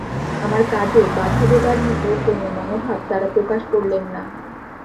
আমার কাজে বাধা দেবার মতো কোনো মনোভাব তাঁরা প্রকাশ করলেন না।